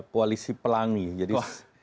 koalisi pelangi jadi